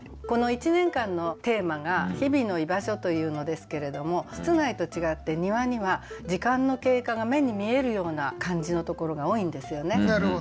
この１年間のテーマが「日々の居場所」というのですけれども室内と違って庭には時間の経過が目に見えるような感じのところが多いんですよね。